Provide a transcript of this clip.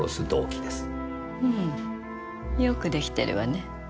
うんよく出来てるわね。